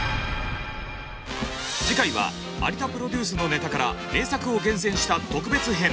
次回は有田プロデュースのネタから名作を厳選した特別編。